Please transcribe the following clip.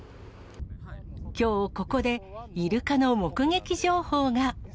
きょう、ここでイルカの目撃情報が。